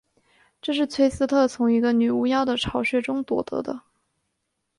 这是崔斯特从一个女巫妖的巢穴中夺得的。